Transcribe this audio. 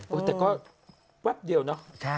แต่ก็แวบเดียวเนอะ